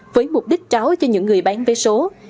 với mục đích tráo cho những người bán vé số